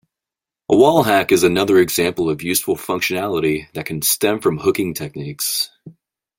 A wallhack is another example of useful functionality that can stem from hooking techniques.